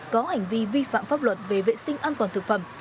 có hành vi vi phạm pháp luật về vệ sinh an toàn thực phẩm